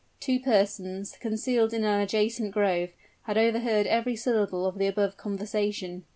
Two persons, concealed in an adjacent grove, had overheard every syllable of the above conversation.